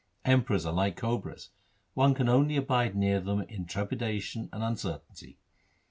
Emperors are like cobras. One can only abide near them in trepidation and uncertainty.